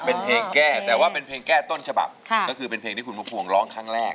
เป็นเพลงแก้แต่ว่าเป็นเพลงแก้ต้นฉบับค่ะก็คือเป็นเพลงที่คุณพระภวงร้องครั้งแรก